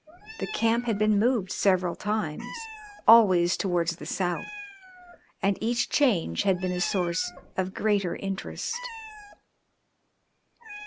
The camp had been moved several times always towards the south and each change had been a source of greater interest.